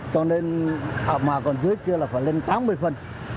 cho nên mà còn dưới kia là phải lên tám mươi phần